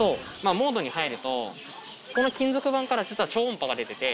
モードに入るとこの金属板から実は超音波が出てて。